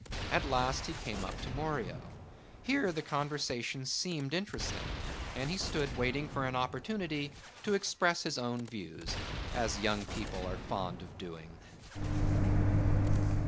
At last he came up to Morio. Here the conversation seemed interesting and he stood waiting for an opportunity to express his own views, as young people are fond of doing.